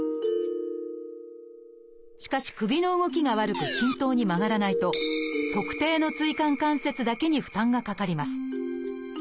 しかし首の動きが悪く均等に曲がらないと特定の椎間関節だけに負担がかかります。